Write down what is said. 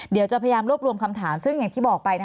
เดี๋ยวจะพยายามรวบรวมคำถามซึ่งอย่างที่บอกไป